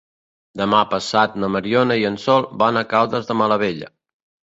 Demà passat na Mariona i en Sol van a Caldes de Malavella.